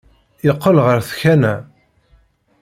Yeqqel ɣer tkanna.